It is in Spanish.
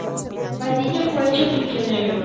Padilla fue hecho prisionero.